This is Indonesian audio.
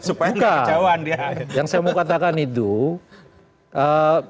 supaya dia kejauhan dia